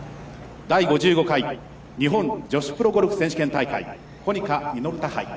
第５５回日本女子プロゴルフ選手権大会コニカミノルタ杯。